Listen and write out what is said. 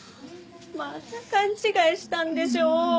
また勘違いしたんでしょ！